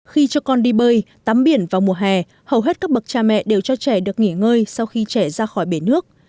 khi cho con đi bơi tắm biển vào mùa hè hầu hết các bậc cha mẹ đều cho trẻ được nghỉ ngơi sau khi trẻ ra khỏi bể nước